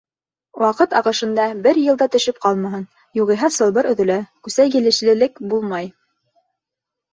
Ваҡыт ағышында бер йыл да төшөп ҡалмаһын, юғиһә сылбыр өҙөлә, күсәгилешлелек булмай.